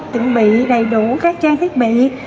chuẩn bị đầy đủ các trang thiết bị